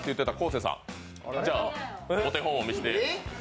生さん、お手本を見せて。